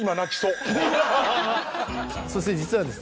そして実はですね